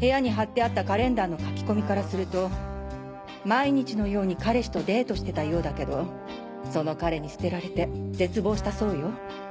部屋に張ってあったカレンダーの書き込みからすると毎日のように彼氏とデートしてたようだけどその彼に捨てられて絶望したそうよ。